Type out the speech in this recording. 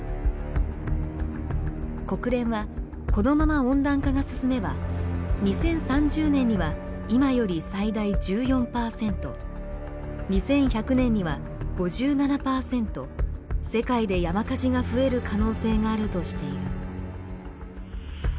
国連はこのまま温暖化が進めば２０３０年には今より最大１４％２１００年には５７％世界で山火事が増える可能性があるとしている。